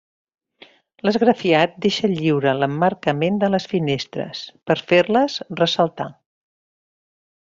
L'esgrafiat deixa lliure l'emmarcament de les finestres, per fer-les ressaltar.